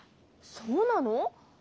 そうなの？